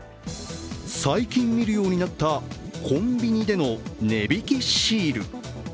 最近見るようになったコンビニでの値引きシール。